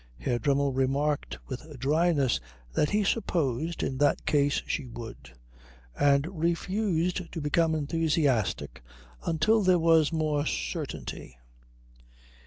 Herr Dremmel remarked with dryness that he supposed in that case she would, and refused to become enthusiastic until there was more certainty.